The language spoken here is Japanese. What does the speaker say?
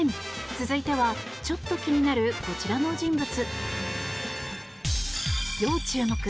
続いてはちょっと気になるこちらの人物。